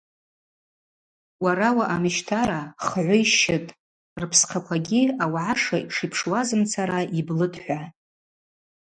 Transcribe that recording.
Уара уаъамищтара хгӏвы йщытӏ, рпсхъаквагьи ауагӏа шипшуазымцара йблытӏ – хӏва.